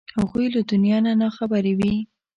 هغوی له دنیا نه نا خبرې وې.